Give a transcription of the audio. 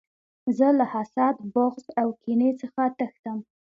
زه له حسد، بغض او کینې څخه تښتم.